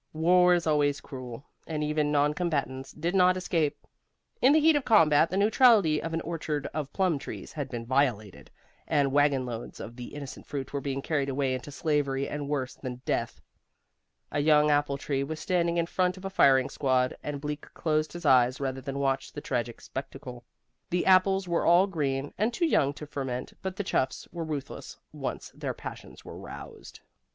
War is always cruel, and even non combatants did not escape. In the heat of combat, the neutrality of an orchard of plum trees had been violated, and wagonloads of the innocent fruit were being carried away into slavery and worse than death. A young apple tree was standing in front of a firing squad, and Bleak closed his eyes rather than watch the tragic spectacle. The apples were all green, and too young to ferment, but the chuffs were ruthless once their passions were roused.